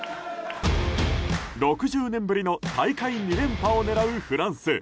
６０年ぶりの大会２連覇を狙うフランス。